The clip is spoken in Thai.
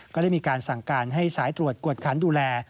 ก็ได้มีการสั่งการให้สายตรวจกวดคันดูแล